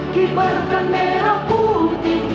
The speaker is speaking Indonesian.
ki berkenera putih